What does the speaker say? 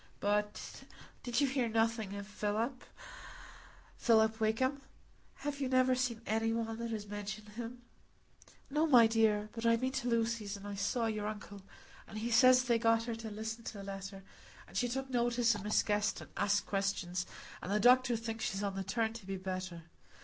But did you hear nothing of Philip—Philip Wakem? Have you never seen any one that has mentioned him?" "No, my dear; but I've been to Lucy's, and I saw your uncle, and he says they got her to listen to the letter, and she took notice o' Miss Guest, and asked questions, and the doctor thinks she's on the turn to be better.